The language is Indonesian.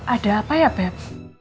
ada apa ya beb